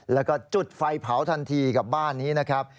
แล้วก็จุดไฟเผาทันทีกับบ้านนี้นะครับ